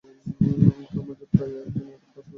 তা, মাঝে মাঝে প্রায়ই তিনি এরূপ করিয়া থাকেন।